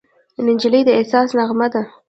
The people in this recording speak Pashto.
نجلۍ د احساس نغمه ده.